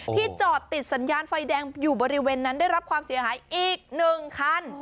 ที่จอดติดสัญญาณไฟแดงอยู่บริเวณนั้นได้รับความเสียหายอีก๑คัน